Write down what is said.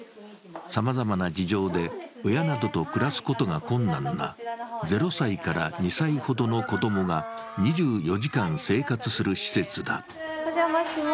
さまざまな事情で親などと暮らすことが困難な０歳から２歳ほどの子供が２４時間生活する施設だ。